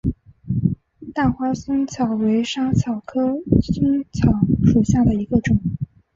大花嵩草为莎草科嵩草属下的一个种。